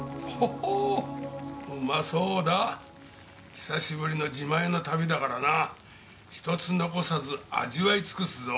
久しぶりの自前の旅だからな一つ残さず味わい尽くすぞ。